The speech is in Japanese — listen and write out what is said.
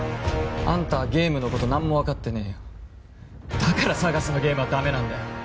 あんたはゲームのこと何も分かってねえよだからＳＡＧＡＳのゲームはダメなんだよ